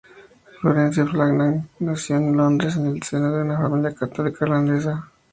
Florence Flanagan nació en Londres, en el seno de una familia católica irlandesa.